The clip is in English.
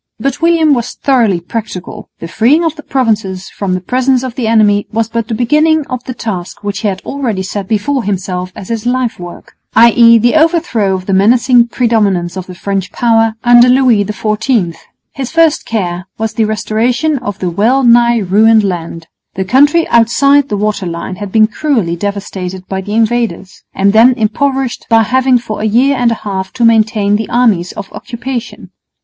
But William was thoroughly practical. The freeing of the Provinces from the presence of the enemy was but the beginning of the task which he had already set before himself as his life work, i.e. the overthrow of the menacing predominance of the French power under Louis XIV. His first care was the restoration of the well nigh ruined land. The country outside the water line had been cruelly devastated by the invaders, and then impoverished by having for a year and a half to maintain the armies of occupation.